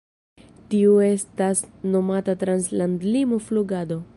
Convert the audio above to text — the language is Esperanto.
Tiu estas nomata Trans-landlimo Flugado.